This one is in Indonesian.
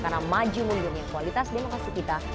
karena maju muliun yang kualitas demokrasi kita